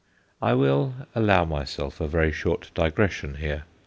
I will allow myself a very short digression here.